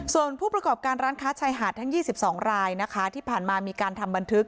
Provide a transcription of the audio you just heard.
ส่วนผู้ประกอบการร้านค้าชายหาดทั้ง๒๒รายนะคะที่ผ่านมามีการทำบันทึก